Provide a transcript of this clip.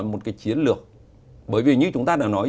một cái chiến lược bởi vì như chúng ta đã nói